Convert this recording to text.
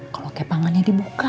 kalo kepangannya dibuka